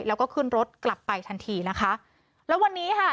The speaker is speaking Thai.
แล้วก็ขึ้นรถกลับไปทันทีนะคะแล้ววันนี้ค่ะ